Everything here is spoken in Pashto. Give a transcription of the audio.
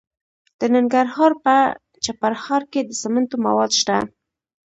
د ننګرهار په چپرهار کې د سمنټو مواد شته.